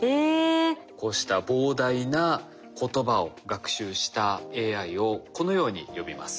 こうした膨大な言葉を学習したＡＩをこのように呼びます。